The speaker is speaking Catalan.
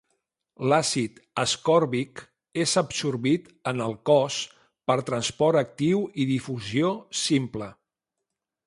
L'àcid ascòrbic és absorbit en el cos per transport actiu i difusió simple.